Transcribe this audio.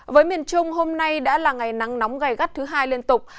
với miền trung hôm nay đã là ngày nắng nóng gai gắt thứ hai liên tục